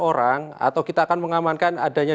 orang atau kita akan mengamankan adanya